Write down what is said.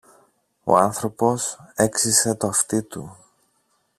Ο άνθρωπος έξυσε το αυτί του